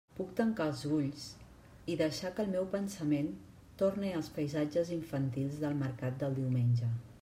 Puc tancar els ulls i deixar que el meu pensament torne als paisatges infantils del mercat del diumenge.